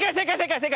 正解！